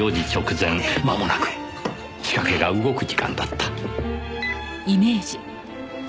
間もなく仕掛けが動く時間だった。